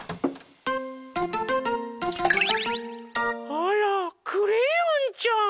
あらクレヨンちゃん。